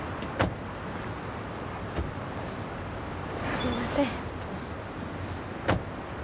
すいません。